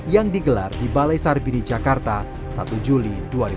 yang digelar di balai sarbini jakarta satu juli dua ribu dua puluh